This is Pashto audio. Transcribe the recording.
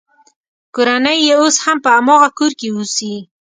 کورنۍ یې اوس هم په هماغه کور کې اوسي.